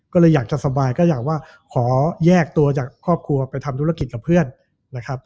ก็เลยอยากจะสบายก็อยากว่าขอแยกตัวจากครอบครัวไปทำธุรกิจกับเพื่อนนะครับ